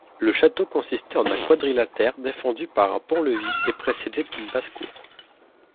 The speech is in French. Le château consistait en un quadrilatère défendu par un pont-levis et précédé d'une basse-cour.